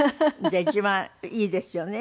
じゃあ一番いいですよね